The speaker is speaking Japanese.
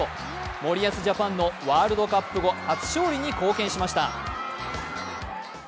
森保ジャパンのワールドカップ後初勝利に貢献しました。